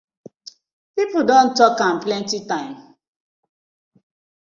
Pipu don tok am plenty time.